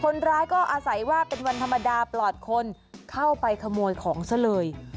คนร้ายก็อาศัยว่าเป็นวันธรรมดาปลอดคนเข้าไปขโมยของซะเลย